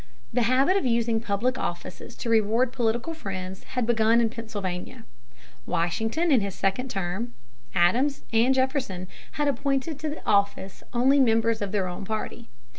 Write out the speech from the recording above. The habit of using public offices to reward political friends had begun in Pennsylvania. Washington, in his second term, Adams, and Jefferson had appointed to office only members of their own party.